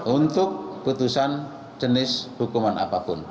untuk putusan jenis hukuman apapun